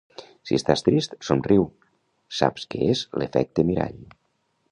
Si estàs trist, somriu, saps què és l'efecte mirall